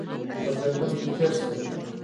په جنګونو کې تېر شول.